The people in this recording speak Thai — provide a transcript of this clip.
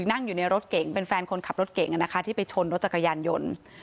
นั่งอยู่ในรถเก่งเป็นแฟนคนขับรถเก่งที่ไปชนรถจักรยานยนต์